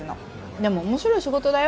でも面白い仕事だよ。